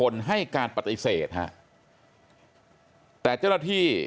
จังหวัดสุราชธานี